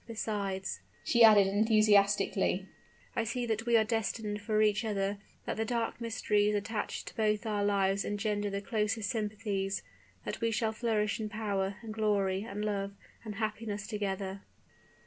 Besides," she added, enthusiastically, "I see that we are destined for each other; that the dark mysteries attached to both our lives engender the closest sympathies; that we shall flourish in power, and glory, and love, and happiness together."